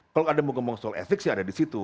kalau ada yang mau ngomong soal etik sih ada di situ